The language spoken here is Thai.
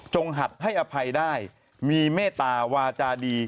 หัดให้อภัยได้มีเมตตาวาจาดี